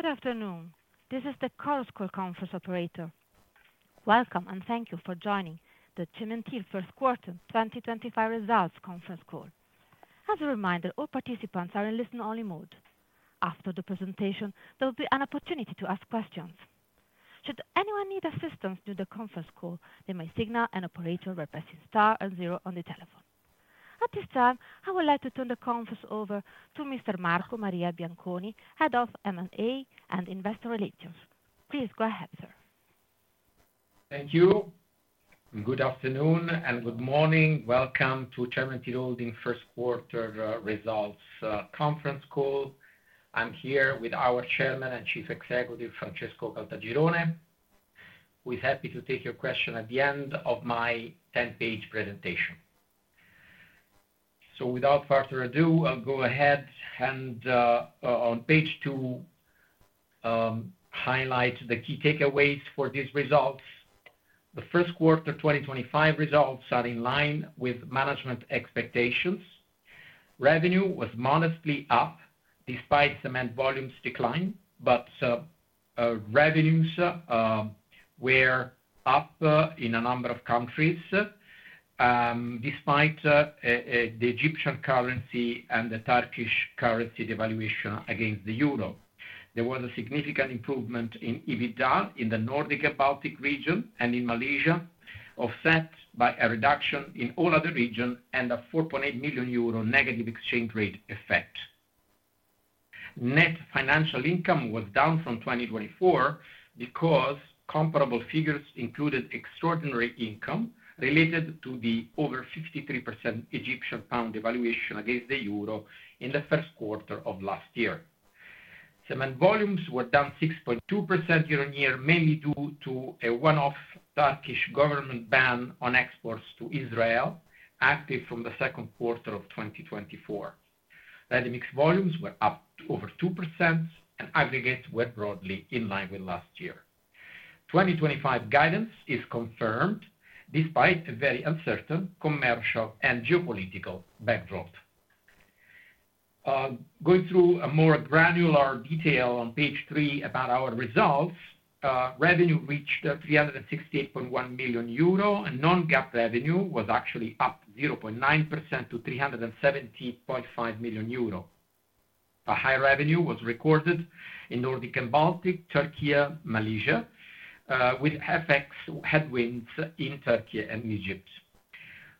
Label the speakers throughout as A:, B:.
A: Good afternoon. This is the Carlsquare Conference Operator. Welcome and thank you for joining the Cementir First Quarter 2025 Results Conference Call. As a reminder, all participants are in listen-only mode. After the presentation, there will be an opportunity to ask questions. Should anyone need assistance during the conference call, they may signal an operator by pressing Star and Zero on the telephone. At this time, I would like to turn the conference over to Mr. Marco Maria Bianconi, Head of M&A and Investor Relations. Please go ahead, sir.
B: Thank you. Good afternoon and good morning. Welcome to Cementir Holding First Quarter Results Conference Call. I'm here with our Chairman and Chief Executive, Francesco Caltagirone. We're happy to take your question at the end of my 10-page presentation. Without further ado, I'll go ahead and, on page two, highlight the key takeaways for these results. The first quarter 2025 results are in line with management expectations. Revenue was modestly up despite cement volumes declining, but revenues were up in a number of countries despite the Egyptian currency and the Turkish currency devaluation against the euro. There was a significant improvement in EBITDA in the Nordic and Baltic region and in Malaysia, offset by a reduction in all other regions and a 4.8 million euro negative exchange rate effect. Net financial income was down from 2024 because comparable figures included extraordinary income related to the over 53% Egyptian pound devaluation against the euro in the first quarter of last year. Cement volumes were down 6.2% year-on-year, mainly due to a one-off Turkish government ban on exports to Israel, active from the second quarter of 2024. Ready-mix volumes were up over 2%, and aggregates were broadly in line with last year. 2025 guidance is confirmed despite a very uncertain commercial and geopolitical backdrop. Going through a more granular detail on page three about our results, revenue reached 368.1 million euro, and non-GAAP revenue was actually up 0.9% to 370.5 million euro. A high revenue was recorded in Nordic and Baltic, Turkey, Malaysia, with FX headwinds in Turkey and Egypt.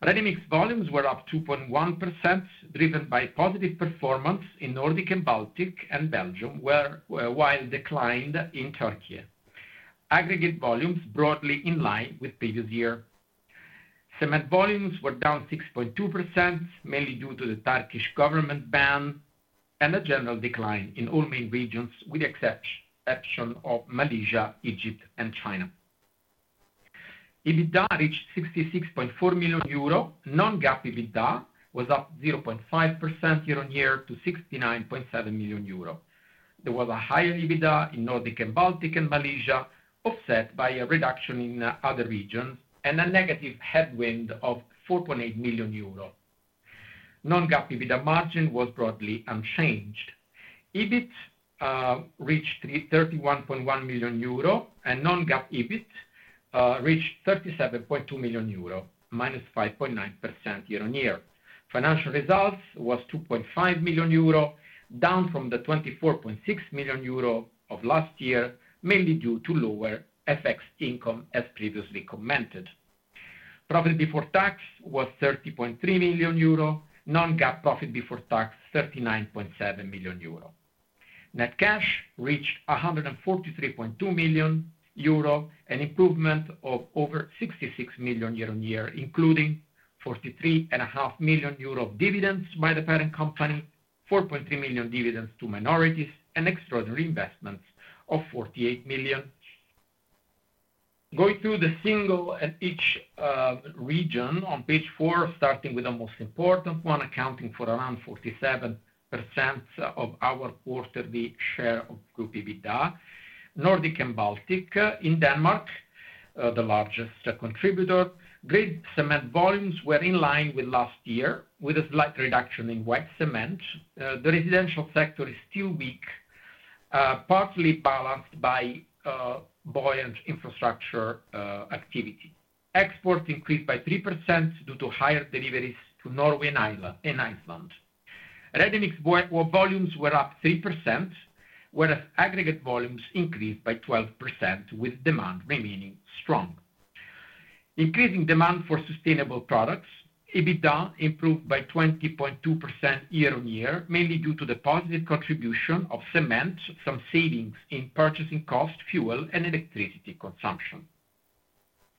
B: Ready-mix volumes were up 2.1%, driven by positive performance in Nordic and Baltic and Belgium, while declined in Turkey. Aggregate volumes were broadly in line with the previous year. Cement volumes were down 6.2%, mainly due to the Turkish government ban and a general decline in all main regions, with the exception of Malaysia, Egypt, and China. EBITDA reached 66.4 million euro. Non-GAAP EBITDA was up 0.5% year-on-year to 69.7 million euro. There was a higher EBITDA in Nordic and Baltic and Malaysia, offset by a reduction in other regions and a negative headwind of 4.8 million euros. Non-GAAP EBITDA margin was broadly unchanged. EBIT reached 31.1 million euro, and non-GAAP EBIT reached 37.2 million euro, minus 5.9% year-on-year. Financial results were 2.5 million euro, down from the 24.6 million euro of last year, mainly due to lower FX income, as previously commented. Profit before tax was 30.3 million euro. Non-GAAP profit before tax was 39.7 million euro. Net cash reached 143.2 million euro, an improvement of over 66 million year-on-year, including 43.5 million euro dividends by the parent company, 4.3 million dividends to minorities, and extraordinary investments of 48 million. Going through each region on page four, starting with the most important one, accounting for around 47% of our quarterly share of group EBITDA, Nordic and Baltic in Denmark, the largest contributor. Grey cement volumes were in line with last year, with a slight reduction in white cement. The residential sector is still weak, partly balanced by buoyant infrastructure activity. Exports increased by 3% due to higher deliveries to Norway and Iceland. Ready-mix volumes were up 3%, whereas aggregates volumes increased by 12%, with demand remaining strong. Increasing demand for sustainable products, EBITDA improved by 20.2% year-on-year, mainly due to the positive contribution of cement, some savings in purchasing costs, fuel, and electricity consumption.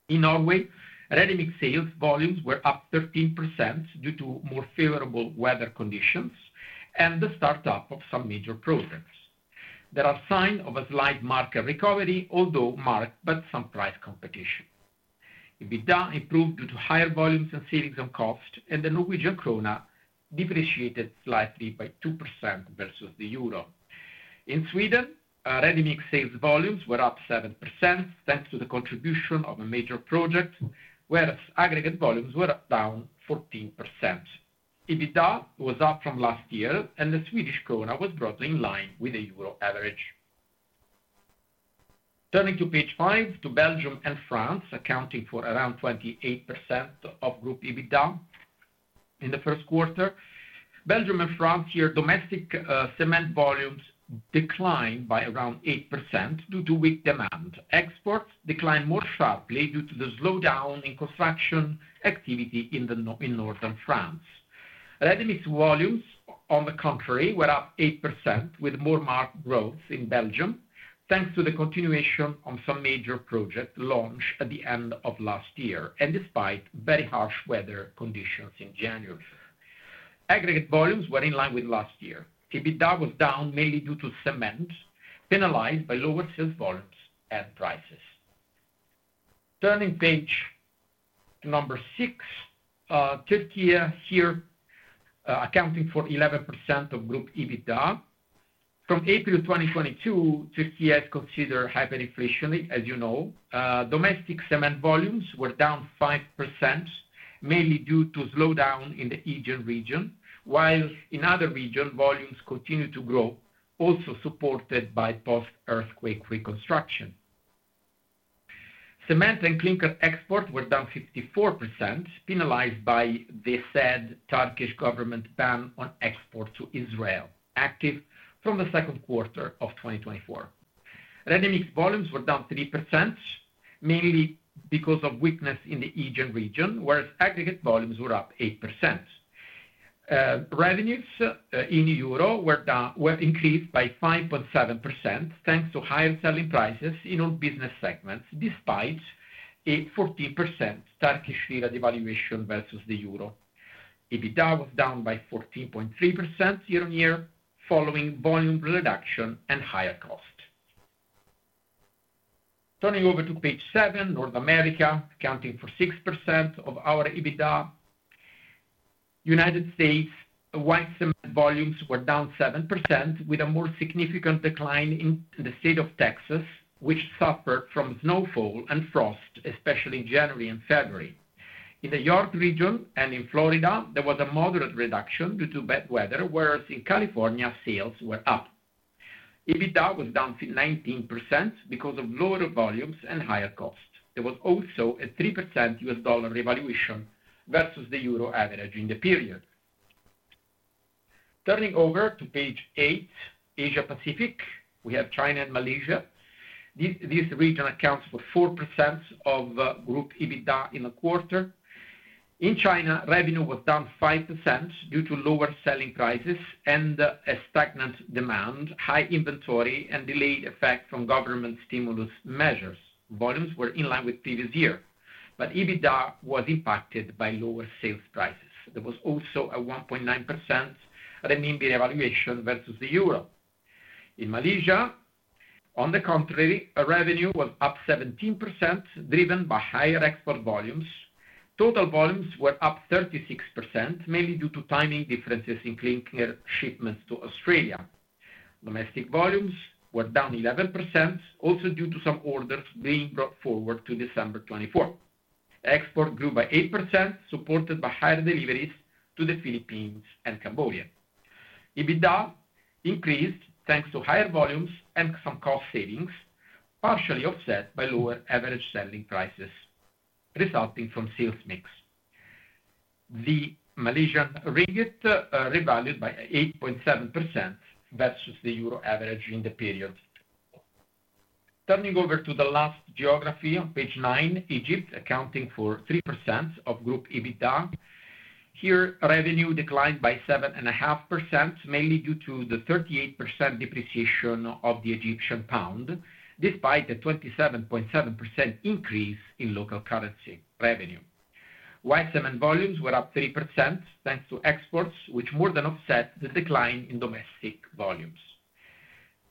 B: In Norway, ready-mix sales volumes were up 13% due to more favorable weather conditions and the start-up of some major projects. There are signs of a slight market recovery, although marked by some price competition. EBITDA improved due to higher volumes and savings on cost, and the Norwegian krone depreciated slightly by 2% versus the euro. In Sweden, ready-mix sales volumes were up 7% thanks to the contribution of a major project, whereas aggregates volumes were down 14%. EBITDA was up from last year, and the Swedish krona was broadly in line with the euro average. Turning to page five, to Belgium and France, accounting for around 28% of group EBITDA in the first quarter. Belgium and France year-on-year domestic cement volumes declined by around 8% due to weak demand. Exports declined more sharply due to the slowdown in construction activity in northern France. Ready-mix volumes, on the contrary, were up 8%, with more marked growth in Belgium thanks to the continuation of some major projects launched at the end of last year and despite very harsh weather conditions in January. Aggregate volumes were in line with last year. EBITDA was down mainly due to cement penalized by lower sales volumes and prices. Turning page number six, Turkey here, accounting for 11% of group EBITDA. From April 2022, Turkey is considered hyperinflationary, as you know. Domestic cement volumes were down 5%, mainly due to slowdown in the Aegean region, while in other regions, volumes continued to grow, also supported by post-earthquake reconstruction. Cement and clinker exports were down 54%, penalized by the said Turkish government ban on exports to Israel, active from the second quarter of 2024. Ready-mix volumes were down 3%, mainly because of weakness in the Aegean region, whereas aggregate volumes were up 8%. Revenues in EUR were increased by 5.7% thanks to higher selling prices in all business segments despite a 14% Turkish lira devaluation versus the euro. EBITDA was down by 14.3% year-on-year, following volume reduction and higher cost. Turning over to page seven, North America, accounting for 6% of our EBITDA. United States, white cement volumes were down 7%, with a more significant decline in the state of Texas, which suffered from snowfall and frost, especially in January and February. In the New York region and in Florida, there was a moderate reduction due to bad weather, whereas in California, sales were up. EBITDA was down 19% because of lower volumes and higher costs. There was also a 3% U.S. dollar devaluation versus the euro average in the period. Turning over to page eight, Asia-Pacific, we have China and Malaysia. This region accounts for 4% of group EBITDA in the quarter. In China, revenue was down 5% due to lower selling prices and a stagnant demand, high inventory, and delayed effect from government stimulus measures. Volumes were in line with previous year, but EBITDA was impacted by lower sales prices. There was also a 1.9% renminbi devaluation versus the euro. In Malaysia, on the contrary, revenue was up 17%, driven by higher export volumes. Total volumes were up 36%, mainly due to timing differences in clinker shipments to Australia. Domestic volumes were down 11%, also due to some orders being brought forward to December 2024. Export grew by 8%, supported by higher deliveries to the Philippines and Cambodia. EBITDA increased thanks to higher volumes and some cost savings, partially offset by lower average selling prices resulting from sales mix. The Malaysian ringgit revalued by 8.7% versus the euro average in the period. Turning over to the last geography, page nine, Egypt, accounting for 3% of group EBITDA. Here, revenue declined by 7.5%, mainly due to the 38% depreciation of the Egyptian pound, despite a 27.7% increase in local currency revenue. White cement volumes were up 3% thanks to exports, which more than offset the decline in domestic volumes.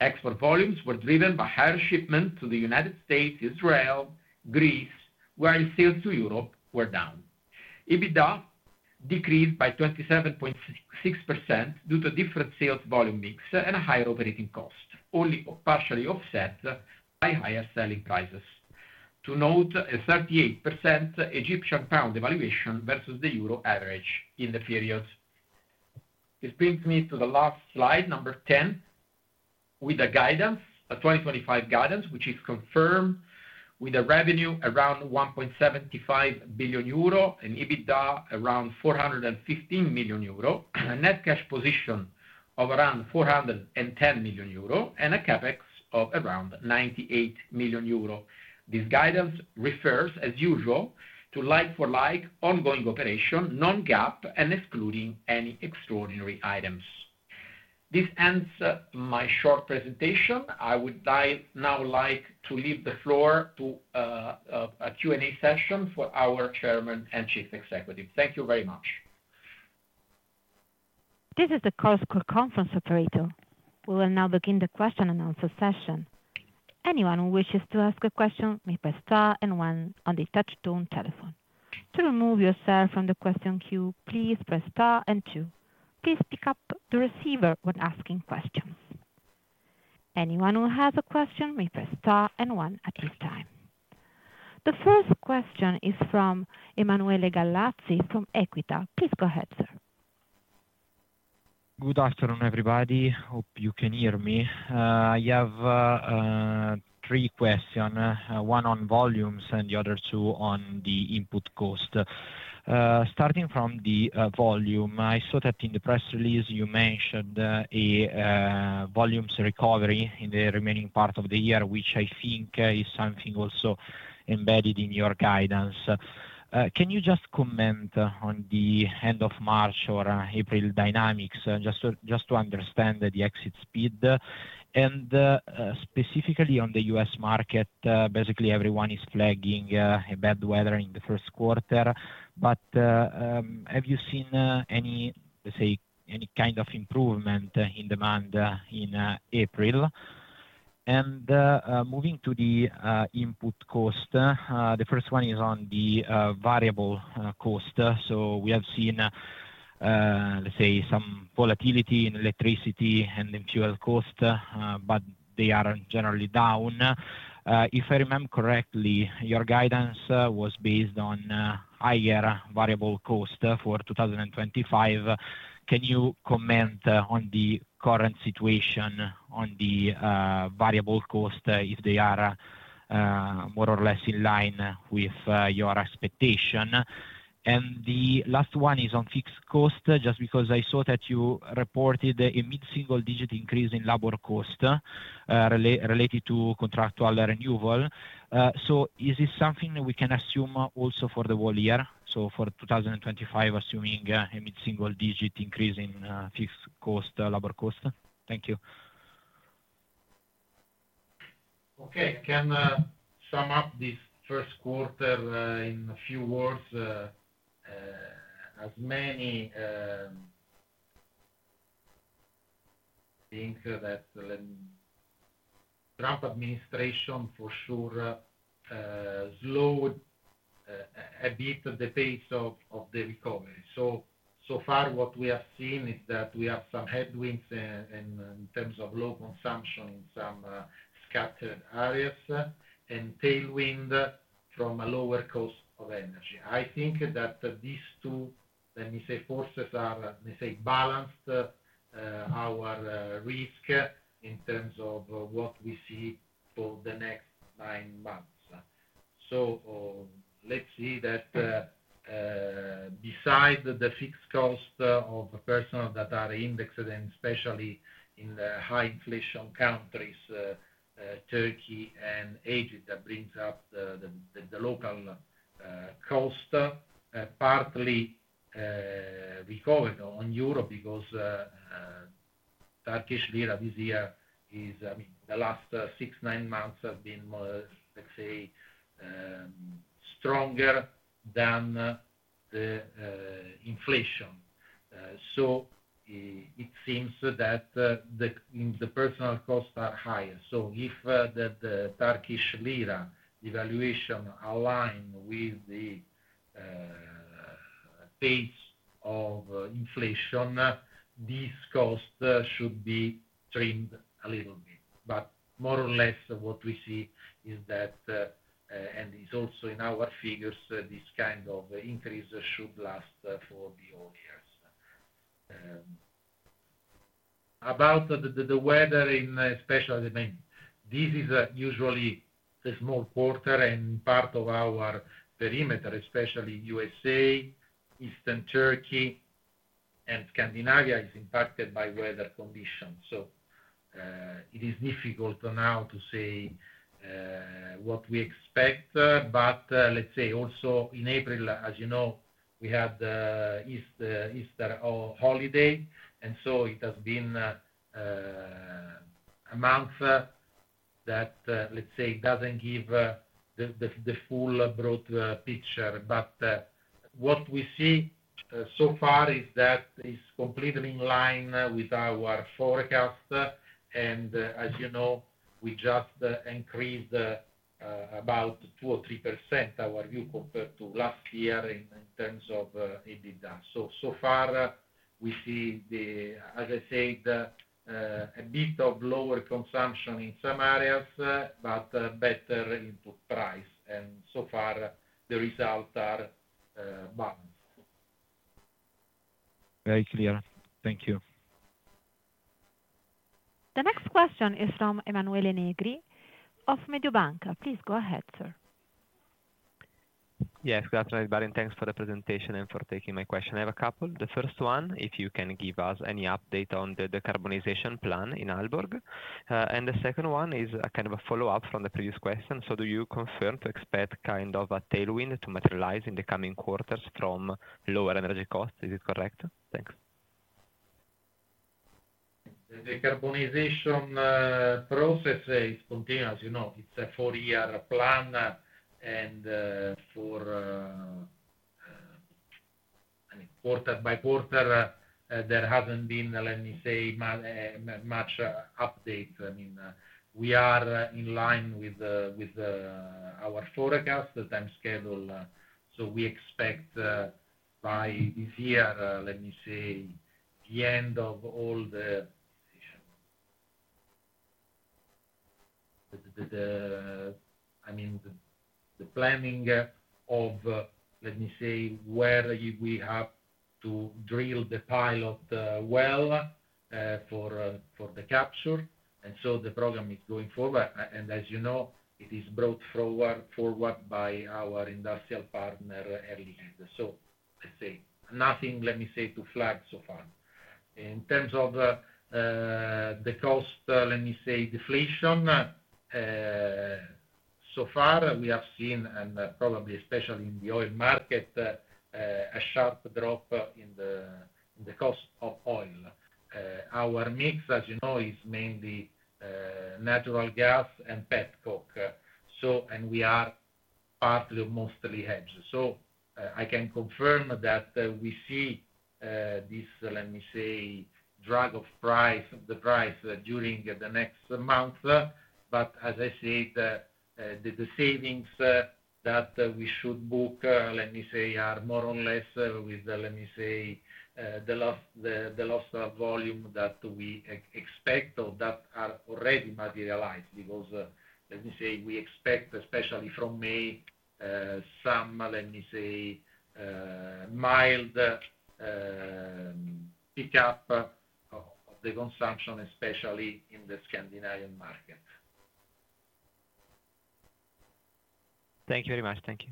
B: Export volumes were driven by higher shipment to the United States, Israel, Greece, while sales to Europe were down. EBITDA decreased by 27.6% due to different sales volume mix and a higher operating cost, only partially offset by higher selling prices. To note a 38% Egyptian pound devaluation versus the euro average in the period. This brings me to the last slide, number 10, with a guidance, a 2025 guidance, which is confirmed with a revenue around 1.75 billion euro and EBITDA around 415 million euro, a net cash position of around 410 million euro, and a CapEx of around 98 million euro. This guidance refers, as usual, to like-for-like ongoing operation, non-GAAP, and excluding any extraordinary items. This ends my short presentation. I would now like to leave the floor to a Q&A session for our Chairman and Chief Executive. Thank you very much.
A: This is the Carlsquare Conference operator. We will now begin the question and answer session. Anyone who wishes to ask a question may press star and one on the touch-tone telephone. To remove yourself from the question queue, please press star and two. Please pick up the receiver when asking questions. Anyone who has a question may press star and one at this time. The first question is from Emanuele Gallazzi from EQUITA. Please go ahead, sir.
C: Good afternoon, everybody. Hope you can hear me. I have three questions, one on volumes and the other two on the input cost. Starting from the volume, I saw that in the press release you mentioned a volumes recovery in the remaining part of the year, which I think is something also embedded in your guidance. Can you just comment on the end of March or April dynamics, just to understand the exit speed? Specifically on the U.S. market, basically everyone is flagging bad weather in the first quarter, but have you seen any, let's say, any kind of improvement in demand in April? Moving to the input cost, the first one is on the variable cost. We have seen, let's say, some volatility in electricity and in fuel cost, but they are generally down. If I remember correctly, your guidance was based on higher variable cost for 2025. Can you comment on the current situation on the variable cost, if they are more or less in line with your expectation? The last one is on fixed cost, just because I saw that you reported a mid-single digit increase in labor cost related to contractual renewal. Is this something we can assume also for the whole year, for 2025, assuming a mid-single digit increase in fixed cost, labor cost? Thank you.
D: Okay. Can you sum up this first quarter in a few words? As many think that the Trump administration for sure slowed a bit the pace of the recovery. So far, what we have seen is that we have some headwinds in terms of low consumption in some scattered areas and tailwind from a lower cost of energy. I think that these two, let me say, forces are, let me say, balanced our risk in terms of what we see for the next nine months. Let's see that beside the fixed cost of personnel that are indexed, and especially in the high-inflation countries, Turkey and Egypt, that brings up the local cost, partly recovered on Europe because the Turkish lira this year is, I mean, the last six-nine months have been, let's say, stronger than the inflation. It seems that the personnel costs are higher. If the Turkish lira devaluation aligns with the pace of inflation, these costs should be trimmed a little bit. But more or less, what we see is that, and it's also in our figures, this kind of increase should last for the whole year. About the weather, especially, I mean, this is usually the small quarter and part of our perimeter, especially U.S.A., Eastern Turkey, and Scandinavia is impacted by weather conditions. It is difficult now to say what we expect, but let's say also in April, as you know, we had Easter holiday, and so it has been a month that, let's say, does not give the full broad picture. What we see so far is that it's completely in line with our forecast, and as you know, we just increased about 2-3% our view compared to last year in terms of EBITDA. So far, we see, as I said, a bit of lower consumption in some areas, but better input price. And so far, the results are balanced.
C: Very clear. Thank you.
A: The next question is from Emanuele Negri of Mediobanca. Please go ahead, sir.
E: Yes, good afternoon. Thanks for the presentation and for taking my question. I have a couple. The first one, if you can give us any update on the decarbonization plan in Aalborg. And the second one is a kind of a follow-up from the previous question. Do you confirm to expect kind of a tailwind to materialize in the coming quarters from lower energy costs? Is it correct? Thanks.
D: The decarbonization process continues, as you know. It is a four-year plan, and for quarter by quarter, there has not been, let me say, much update. I mean, we are in line with our forecast, the time schedule. We expect by this year, let me say, the end of all the, I mean, the planning of, let me say, where we have to drill the pilot well for the capture. The program is going forward, and as you know, it is brought forward by our industrial partner early. Let's say nothing, let me say, to flag so far. In terms of the cost, let me say, deflation, so far, we have seen, and probably especially in the oil market, a sharp drop in the cost of oil. Our mix, as you know, is mainly natural gas and pet coke. We are partly or mostly hedged. I can confirm that we see this, let me say, drag of price, the price during the next month. But as I said, the savings that we should book, let me say, are more or less with, let me say, the loss of volume that we expect or that are already materialized because, let me say, we expect, especially from May, some, let me say, mild pickup of the consumption, especially in the Scandinavian market.
E: Thank you very much. Thank you.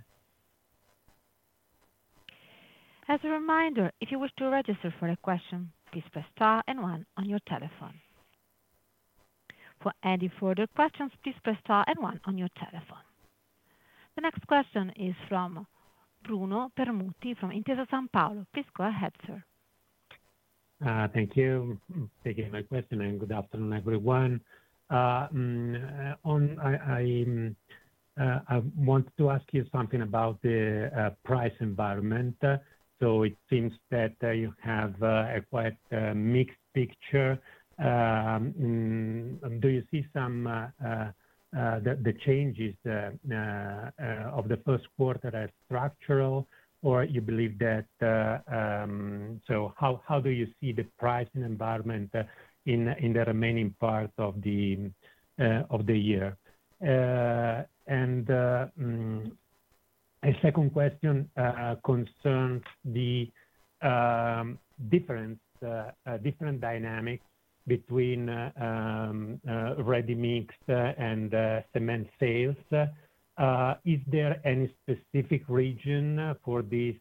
A: As a reminder, if you wish to register for a question, please press star and one on your telephone. For any further questions, please press star and one on your telephone. The next question is from Bruno Permutti from Intesa Sanpaolo. Please go ahead, sir.
F: Thank you. Thank you for my question, and good afternoon, everyone. I wanted to ask you something about the price environment. So it seems that you have a quite mixed picture. Do you see some of the changes of the first quarter as structural, or you believe that? How do you see the pricing environment in the remaining part of the year? A second question concerns the different dynamics between ready-mix and cement sales. Is there any specific region for this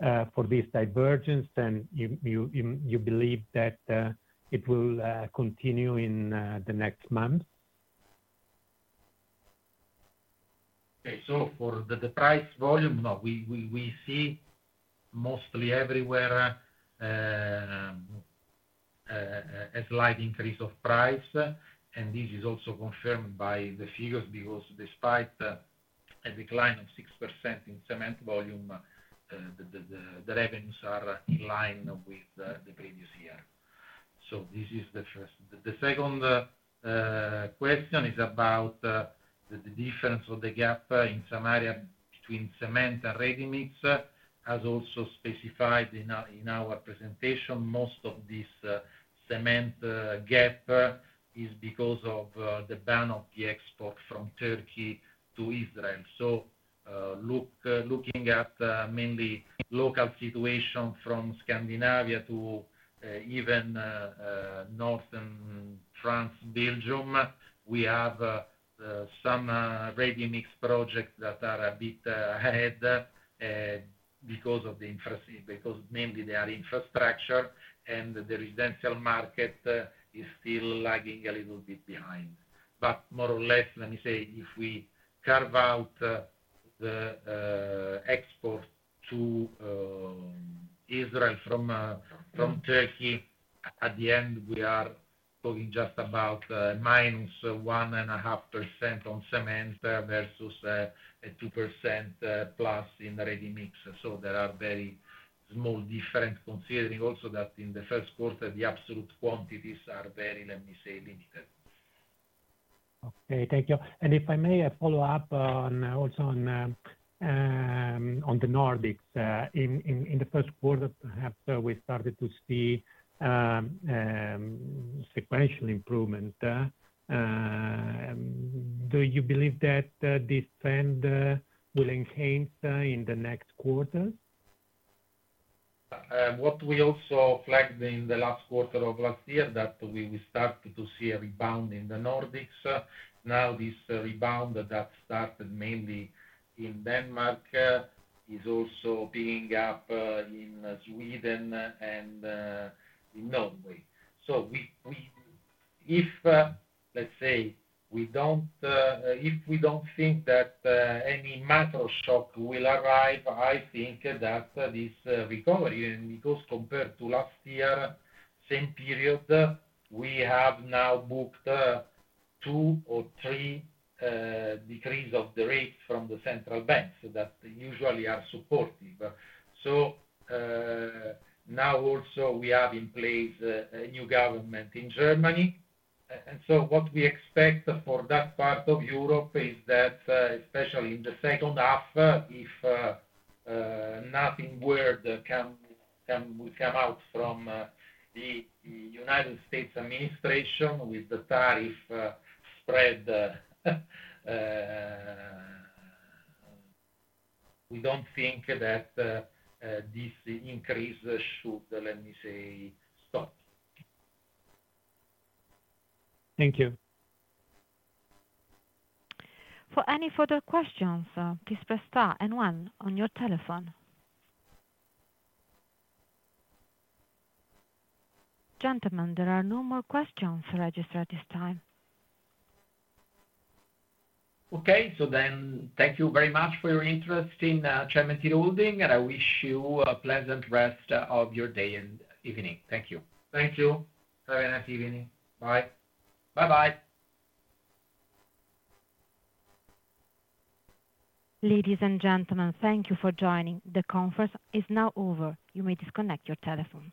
F: divergence, and you believe that it will continue in the next month?
D: Okay. For the price volume, we see mostly everywhere a slight increase of price, and this is also confirmed by the figures because despite a decline of 6% in cement volume, the revenues are in line with the previous year. This is the first. The second question is about the difference of the gap in some area between cement and ready-mix. As also specified in our presentation, most of this cement gap is because of the ban of the export from Turkey to Israel. Looking at mainly local situation from Scandinavia to even northern France, Belgium, we have some ready-mix projects that are a bit ahead because of the infrastructure, and the residential market is still lagging a little bit behind. More or less, let me say, if we carve out the export to Israel from Turkey, at the end, we are talking just about minus 1.5% on cement versus a 2% plus in the ready-mix. There are very small differences considering also that in the first quarter, the absolute quantities are very, let me say, limited.
F: Okay. Thank you. If I may follow up also on the Nordics, in the first quarter, perhaps we started to see sequential improvement. Do you believe that this trend will enhance in the next quarter?
D: What we also flagged in the last quarter of last year is that we started to see a rebound in the Nordics. Now, this rebound that started mainly in Denmark is also picking up in Sweden and in Norway. If, let's say, we do not think that any macro shock will arrive, I think that this recovery, and because compared to last year, same period, we have now booked two or three decreases of the rates from the central banks that usually are supportive. Now also we have in place a new government in Germany. What we expect for that part of Europe is that, especially in the second half, if nothing weird will come out from the United States administration with the tariff spread, we do not think that this increase should, let me say, stop.
F: Thank you.
A: For any further questions, please press star and one on your telephone. Gentlemen, there are no more questions registered at this time.
D: Okay. So then thank you very much for your interest in Cementir Holding, and I wish you a pleasant rest of your day and evening. Thank you.
B: Thank you. Have a nice evening. Bye. Bye-bye.
A: Ladies and gentlemen, thank you for joining. The conference is now over. You may disconnect your telephone.